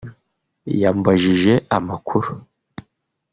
yambajije amakuru